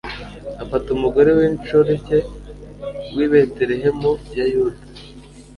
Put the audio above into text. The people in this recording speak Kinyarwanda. afata umugore w'inshoreke w'i betelehemu ya yuda